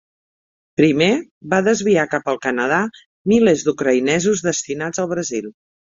Primer, va desviar cap al Canadà milers d'Ucraïnesos destinats al Brasil.